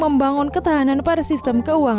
memang tidak terhormatnya kita berbuang